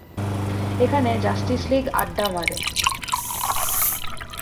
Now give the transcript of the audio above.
এখানে Justice League আড্ডা মারে।